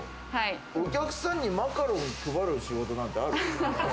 お客さんにマカロン配る仕事なんてある？